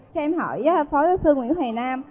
cho em hỏi với phó giáo sư nguyễn thầy nam